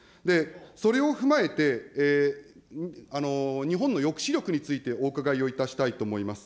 それを踏まえて、日本の抑止力についてお伺いをいたしたいと思います。